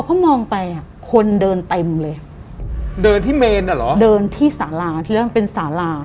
เขามองไปอ่ะคนเดินเต็มเลยเดินที่เมนอ่ะเหรอเดินที่สาราที่นั่นเป็นสารา